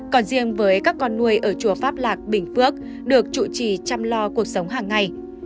còn riêng với các con nuôi ở chùa pháp lạc bình phước được chủ trì chăm lo cuộc sống hàng ngày